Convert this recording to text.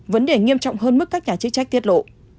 vấn đề nghiêm trọng hơn mức các nhà chức trách tiết lộ